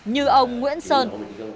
như ông nguyễn sơn